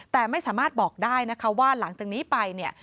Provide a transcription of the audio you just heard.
แต่ไม่สามารถบอกได้นะคะว่าหลังจากนี้ไปเนี่ย